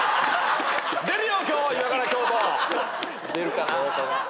・出るかな？